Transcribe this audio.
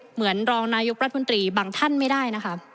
เหมือนรองนายกรัฐมนตรีบางท่านไม่ได้นะคะ